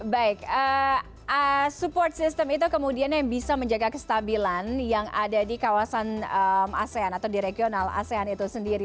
baik support system itu kemudian yang bisa menjaga kestabilan yang ada di kawasan asean atau di regional asean itu sendiri